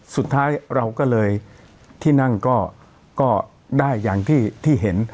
สุดท้ายเราก็เลยที่นั่งก็ได้อย่างที่เห็น